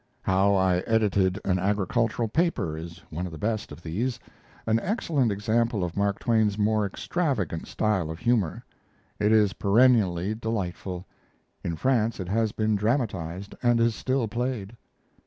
"How I Edited an Agricultural Paper" is one of the best of these an excellent example of Mark Twain's more extravagant style of humor. It is perennially delightful; in France it has been dramatized, and is still played.